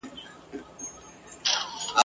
یوه شپه مېرمن پر کټ باندي پرته وه !.